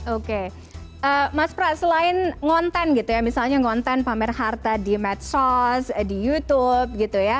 oke mas pra selain konten misalnya konten pamer harta di medsos di youtube